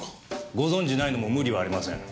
ご存じないのも無理はありません。